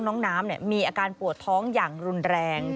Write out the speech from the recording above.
น้องน้ำมีอาการปวดท้องอย่างรุนแรง